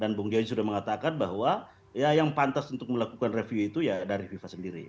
dan bung joy sudah mengatakan bahwa ya yang pantas untuk melakukan reviewe itu ya dari fifa sendiri